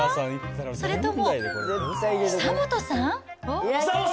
それとも久本さん？